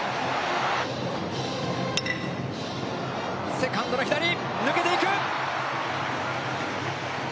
セカンドの左、抜けていく！